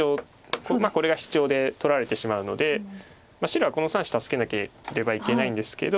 これがシチョウで取られてしまうので白はこの３子助けなければいけないんですけど。